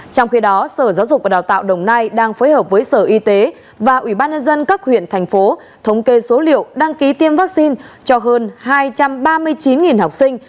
trong khi đó sở giáo dục và đào tạo đồng nai đang phối hợp với sở y tế và ủy ban nhân dân các huyện thành phố thống kê số liệu đăng ký tiêm vaccine cho hơn hai trăm ba mươi chín học sinh